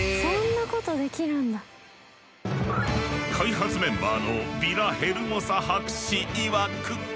開発メンバーのヴィラヘルモサ博士いわく